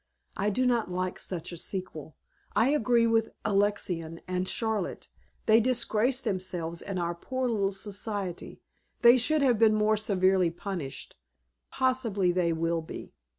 "I do not like such a sequel. I agree with Alexina and Charlotte. They disgraced themselves and our proud little Society; they should have been more severely punished. Possibly they will be."